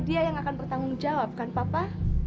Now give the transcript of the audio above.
dia yang akan bertanggung jawab kan papa